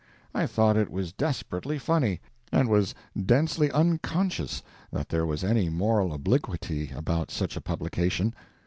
I thought it was desperately funny, and was densely unconscious that there was any moral obliquity about such a publication.